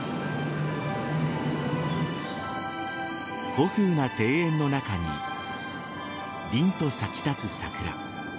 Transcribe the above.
古風な庭園の中に凛と咲き立つ桜。